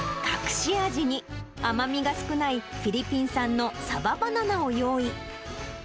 隠し味に、甘みが少ないフィリピン産のサババナナを用意。